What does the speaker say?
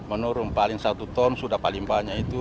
menurun paling satu ton sudah paling banyak itu